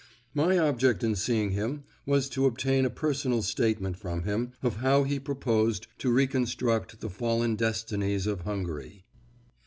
My object in seeing him was to obtain a personal statement from him of how he proposed to reconstruct the fallen destinies of Hungary.